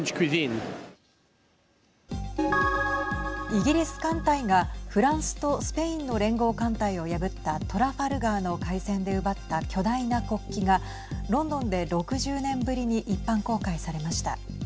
イギリス艦隊がフランスとスペインの連合艦隊を破ったトラファルガーの海戦で奪った巨大な国旗がロンドンで６０年ぶりに一般公開されました。